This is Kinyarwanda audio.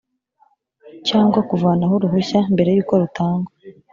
cyangwa kuvanaho uruhushya mbere y’uko rutangwa